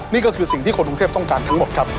นี่ก็คือสิ่งที่คนกรุงเทพต้องการทั้งหมดครับ